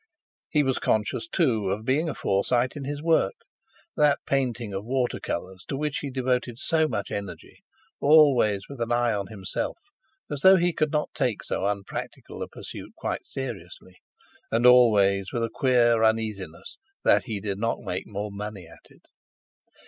He was conscious, too, of being a Forsyte in his work, that painting of water colours to which he devoted so much energy, always with an eye on himself, as though he could not take so unpractical a pursuit quite seriously, and always with a certain queer uneasiness that he did not make more money at it.